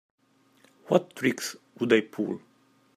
What tricks would I pull?